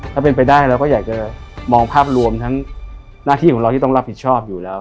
ถ้าเป็นไปได้เราก็อยากจะมองภาพรวมทั้งหน้าที่ของเราที่ต้องรับผิดชอบอยู่แล้ว